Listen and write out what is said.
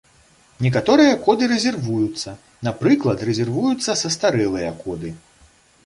Некаторыя коды рэзервуюцца, напрыклад, рэзервуюцца састарэлыя коды.